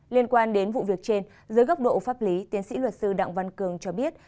liên quan đến vụ việc trên dưới góc độ pháp lý tiến sĩ luật sư đặng văn cường cho biết